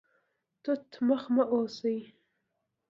توت مخ مه اوسئ